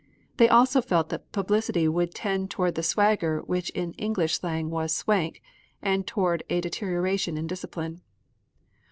They also felt that publicity would tend toward the swagger which in English slang was "swank" and toward a deterioration in discipline.